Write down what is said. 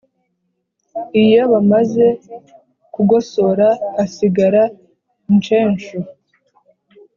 iyo bamaze kugosora, hasigara incenshu.